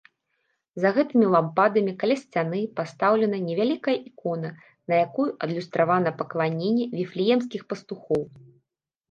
За гэтымі лампадамі, каля сцяны, пастаўлена невялікая ікона, на якой адлюстравана пакланенне віфлеемскіх пастухоў.